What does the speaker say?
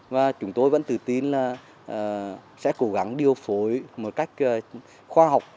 và chúng tôi vẫn tự tin sẽ cố gắng điều phối một cách khoa học